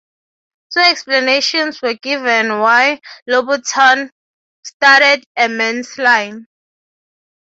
Two explanations were given why Louboutin started a men's line.